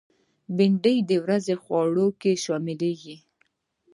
بېنډۍ د ورځې خوړو کې شاملېږي